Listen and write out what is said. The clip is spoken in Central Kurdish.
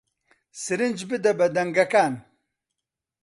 سرنج بدە بە دەنگەکان